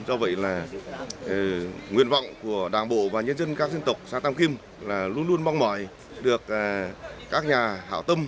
do vậy là nguyện vọng của đảng bộ và nhân dân các dân tộc xã tam kim là luôn luôn mong mỏi được các nhà hảo tâm